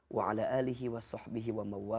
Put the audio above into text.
waalaikumsalam wr wb